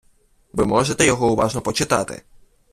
Ви можете його уважно почитати.